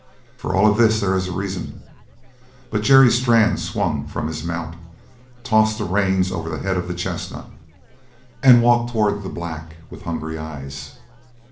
For all of this there is a reason. But Jerry Strann swung from his mount, tossed the reins over the head of the chestnut, and walked towards the black with hungry eyes.